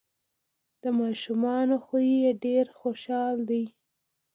د ماشومانو خوی یې ډیر خوشحال دی.